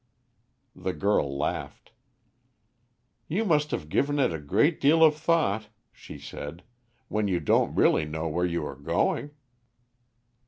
The girl laughed. "You must have given it a great deal of thought," she said, "when you don't really know where you are going."